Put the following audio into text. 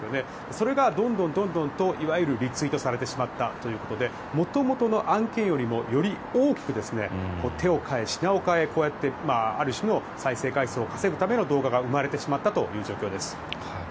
それがどんどんといわゆるリツイートされてしまったということで元々の案件よりもより大きく手を替え品を替えこうやって、ある種の再生回数を稼ぐための動画が生まれてしまったという状況です。